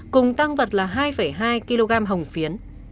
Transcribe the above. cùng tăng vật là hai hai kg hồng phiến